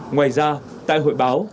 ngoài ra tại hội báo